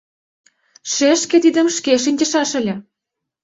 Шешке тидым шке шинчышаш ыле.